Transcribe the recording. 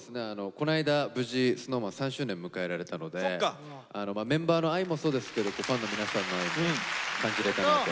この間無事ＳｎｏｗＭａｎ３周年を迎えられたのでメンバーの愛もそうですけどファンの皆さんの愛も感じれたなと。